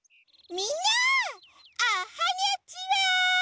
みんなおはにゃちは！